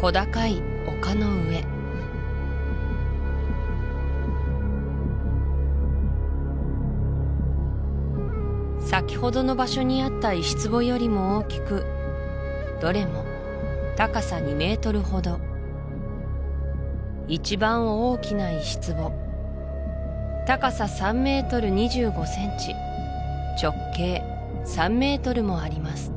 小高い丘の上先ほどの場所にあった石壺よりも大きくどれも高さ２ｍほど一番大きな石壺高さ３ｍ２５ｃｍ直径３ｍもあります